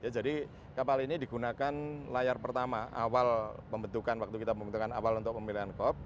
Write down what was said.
jadi kapal ini digunakan layar pertama awal pembentukan waktu kita pembentukan awal untuk pemilihan kop